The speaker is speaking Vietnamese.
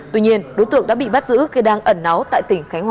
tuy nhiên đối tượng đã bị bắt giữ khi đang ẩn náu tại tỉnh khánh hòa